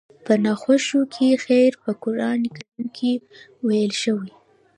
په ناخوښو کې خير په قرآن کريم کې ويل شوي.